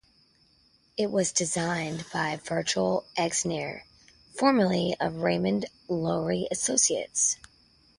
It was designed by Virgil Exner, formerly of Raymond Loewy Associates.